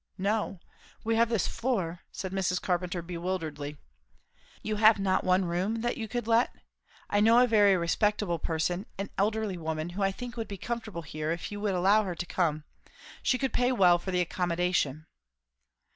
no. We have this floor " said Mrs. Carpenter bewilderedly. "You have not one room that you could let? I know a very respectable person, an elderly woman, who I think would be comfortable here, if you would allow her to come. She could pay well for the accommodation."